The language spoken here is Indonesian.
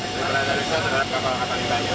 peran peran indonesia terhadap kapal kapal ikannya